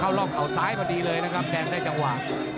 เข้าร่อข่าวซ้ายพอดีเลยนะครับแดงเราไปจังหวะ